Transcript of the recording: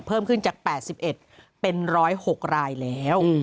เพิ่มขึ้นจาก๘๑เป็น๑๐๖รายแล้ว